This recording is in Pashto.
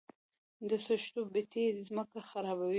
د خښتو بټۍ ځمکه خرابوي؟